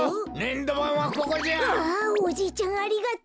あおじいちゃんありがとう。